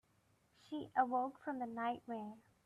She awoke from the nightmare.